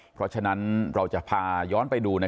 เพราะฉะนั้นเราจะพาย้อนไปดู